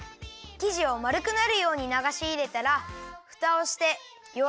きじをまるくなるようにながしいれたらふたをしてよ